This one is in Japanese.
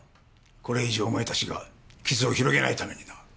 これ以上お前たちが傷を広げないためにな。